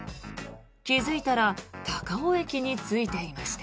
気付いたら高尾駅に着いていました。